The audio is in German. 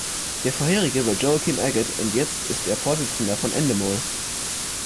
Der vorherige war Joaquim Agut und jetzt ist er Vorsitzender von Endemol.